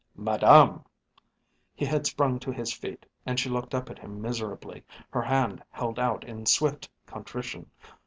"Madame!" He had sprung to his feet, and she looked up at him miserably, her hand held out in swift contrition.